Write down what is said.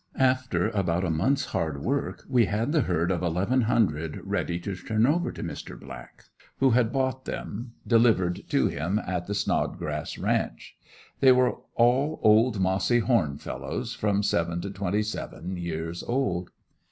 After about a month's hard work we had the herd of eleven hundred ready to turn over to Mr. Black who had bought them, delivered to him at the Snodgrass ranch. They were all old mossy horn fellows, from seven to twenty seven years old.